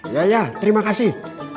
ya ya terima kasih